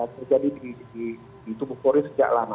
terjadi di tubuh polri sejak lama